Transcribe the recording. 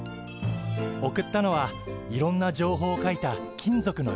送ったのはいろんな情報を書いた金属の板だって。